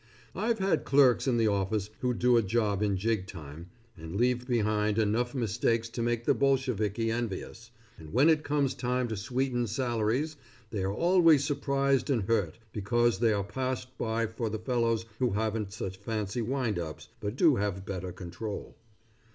I've had clerks in the office who'd do a job in jig time and leave behind enough mistakes to make the Bolsheviki envious, and when it comes time to sweeten salaries they are always surprised and hurt, because they are passed by for the fellows who haven't such fancy windups, but do have better control.